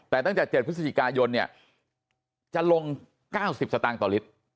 แต่ตั้งแต่๗พฤศจิกายนเนี่ยจะลง๙๐สตางค์ต่อลิตร